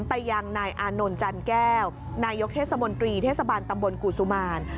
ไปยังนายอานนท์จันแก้วนายกเทศมนตรีเทศบาลตำบลกุศุมาร